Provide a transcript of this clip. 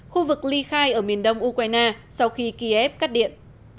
khu vực ly khai ở miền đông ukraine sau khi kiev cắt điện